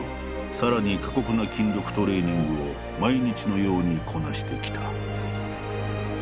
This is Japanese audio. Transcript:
さらに過酷な筋力トレーニングを毎日のようにこなしてきた。